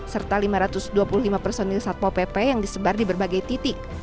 serta lima ratus dua puluh lima personil satpo pp yang disebar di berbagai titik